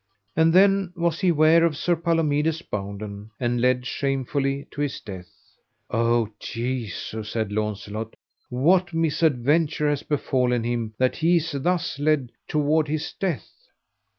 And then was he ware of Sir Palomides bounden, and led shamefully to his death. O Jesu, said Launcelot, what misadventure is befallen him that he is thus led toward his death?